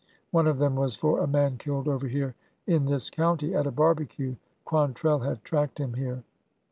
One of them was for a man killed over here in this county at a barbecue. Quantrell had tracked him here."